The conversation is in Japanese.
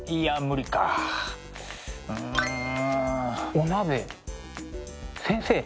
お鍋先生